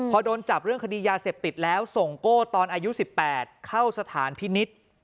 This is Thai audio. พอโดนจับเรื่องคดียาเสพติดแล้วส่งโก้ตอนอายุ๑๘เข้าสถานพินิษฐ์